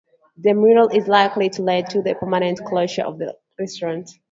The mural is likely to lead to the permanent closure of the restaurant.